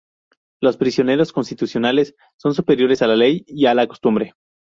Los principios constitucionales: son superiores a la ley y a la costumbre.